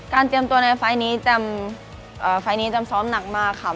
เตรียมตัวในไฟล์นี้ไฟล์นี้จำซ้อมหนักมากค่ะ